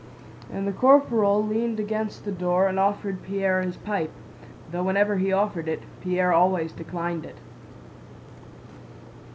And the corporal leaned against the door and offered Pierre his pipe, though whenever he offered it Pierre always declined it.